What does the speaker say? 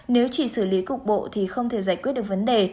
nếu chỉ xử lý cục bộ thì không thể giải quyết được vấn đề